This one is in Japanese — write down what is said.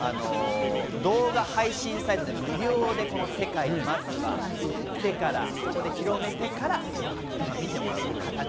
動画配信サイトで無料で世界にまずは売ってからそこで広めてから見てもらう形。